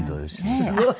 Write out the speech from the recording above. すごい。